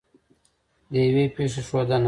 د یوې پېښې ښودنه